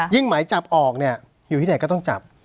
หมายจับออกเนี่ยอยู่ที่ไหนก็ต้องจับ